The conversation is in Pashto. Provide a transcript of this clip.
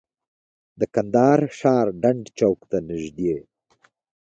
د کندهار ښار ډنډ چوک ته نږدې.